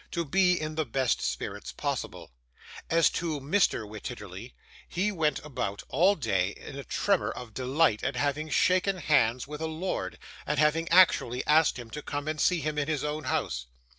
to be in the best spirits possible. As to Mr. Wititterly, he went about all day in a tremor of delight at having shaken hands with a lord, and having actually asked him to come and see him in his own house.